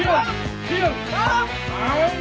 เยี่ยม